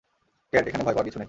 Cat, এখানে ভয় পাওয়ার কিছু নেই!